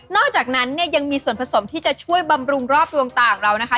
จากนั้นเนี่ยยังมีส่วนผสมที่จะช่วยบำรุงรอบดวงตาของเรานะคะ